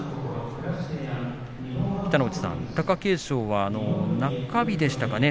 北の富士さん、貴景勝は中日でしたかね